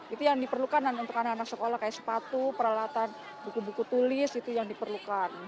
itu yang diperlukan untuk anak anak sekolah kayak sepatu peralatan buku buku tulis itu yang diperlukan